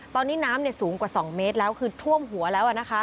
ตอนนี้น้ำสูงกว่า๒เมตรแล้วคือท่วมหัวแล้วนะคะ